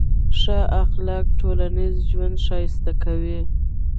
ښه اخلاق ټولنیز ژوند ښایسته کوي.